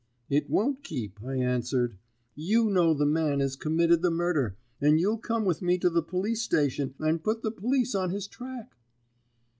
"'It won't keep,' I answered. 'You know the man as committed the murder, and you'll come with me to the police station, and put the police on his track.'